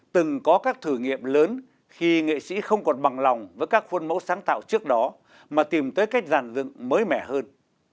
từng có các thử nghiệm lớn khi nghệ sĩ không còn bằng lòng với các khuôn mẫu sáng tạo trước đó mà tìm tới cách giàn dựng mới mẻ hơn